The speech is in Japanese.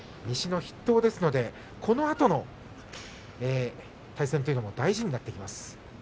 西の筆頭ですので、このあとの対戦というのも大事になってきます